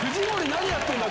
何やってるんだ？